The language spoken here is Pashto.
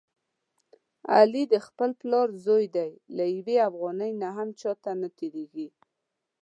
علي د خپل پلار زوی دی، له یوې افغانۍ نه هم چاته نه تېرېږي.